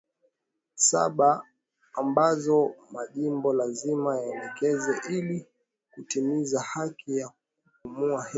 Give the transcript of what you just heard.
saba ambazo Majimbo lazima yatekeleze ili kutimiza haki ya kupumua hewa safi